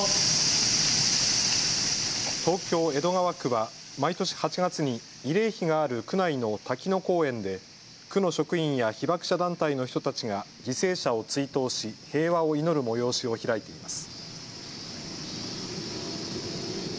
東京江戸川区は毎年８月に慰霊碑がある区内の滝野公園で区の職員や被爆者団体の人たちが犠牲者を追悼し、平和を祈る催しを開いています。